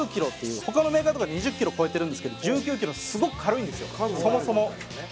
他のメーカーとか２０ｋｇ超えてるんですけど１９ｋｇですごく軽いんですよそもそも。